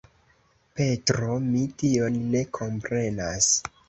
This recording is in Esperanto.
Petro, mi tion ne komprenas!